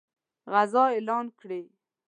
غزا اعلان کړي.